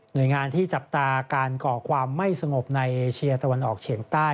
โดยงานที่จับตาการก่อความไม่สงบในเอเชียตะวันออกเฉียงใต้